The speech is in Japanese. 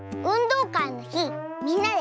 うん！